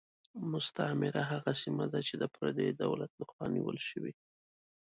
مستعمره هغه سیمه ده چې د پردیو دولت له خوا نیول شوې.